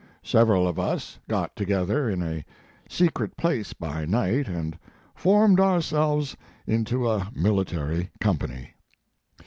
Several of us got together in a secret place by night and formed ourselves into a military company.